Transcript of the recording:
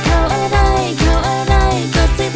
ซากค่าวอะไรก็สุดท้ายได้หมด